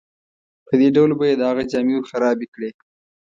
په دې ډول به یې د هغه جامې ورخرابې کړې.